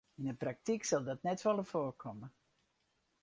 Yn 'e praktyk sil dat net folle foarkomme.